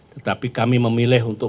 tetapi kami memilih untuk